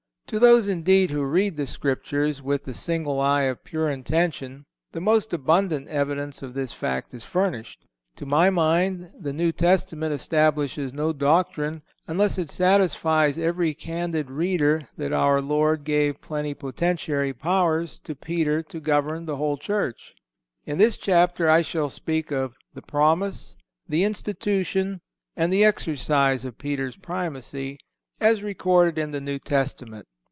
To those, indeed, who read the Scriptures with the single eye of pure intention the most abundant evidence of this fact is furnished. To my mind the New Testament establishes no doctrine, unless it satisfies every candid reader that our Lord gave plenipotentiary powers to Peter to govern the whole Church. In this chapter I shall speak of the Promise, the Institution, and the exercise of Peter's Primacy, as recorded in the New Testament.